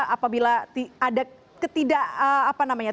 apabila ada ketidak apa namanya